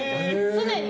常に。